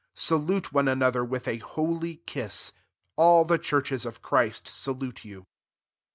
16 Salute one another with a holy kiss. All the churches of JChrist salute you.